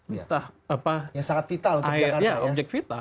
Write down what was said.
yang sangat vital untuk jakarta